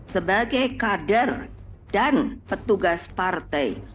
sebagai kader dan petugas partai